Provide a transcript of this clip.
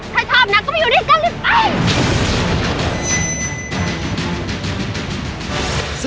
ใครชอบนักก็ไม่อยู่ดีก็รีบไป